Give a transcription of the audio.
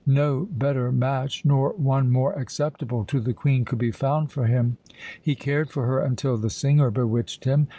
No better match, nor one more acceptable to the Queen, could be found for him. He cared for her until the singer bewitched him.